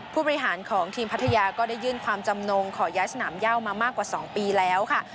ผู้บริหารของทีมพัทยาก็ได้ยื่นความจำนงขอย้ายสนามย่ามามากกว่า๒ปีแล้วค่ะ